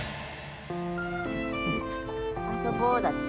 遊ぼうだって。